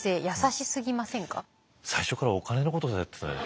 最初からお金のことでやってたね。